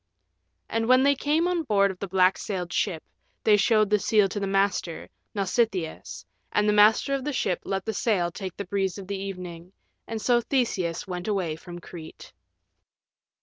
And when they came on board of the black sailed ship they showed the seal to the master, Nausitheus, and the master of the ship let the sail take the breeze of the evening, and so Theseus went away from Crete.